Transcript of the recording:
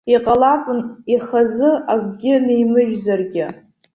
Иҟалап ихазы акгьы нимыжьзаргьы.